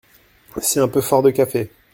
C’est un peu fort de café.